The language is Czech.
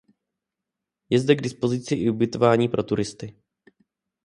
Je zde k dispozici i ubytování pro turisty.